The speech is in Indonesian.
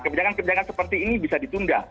kebijakan kebijakan seperti ini bisa ditunda